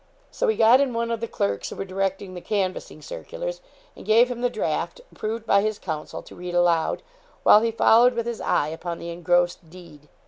So he got in one of the clerks who were directing the canvassing circulars, and gave him the draft, approved by his counsel, to read aloud, while he followed with his eye upon the engrossed deed.